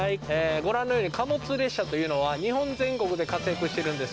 ご覧のように貨物列車というのは日本全国で活躍してるんですけども。